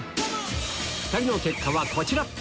２人の結果はこちら！